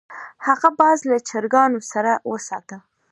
هغه باز له چرګانو سره وساته.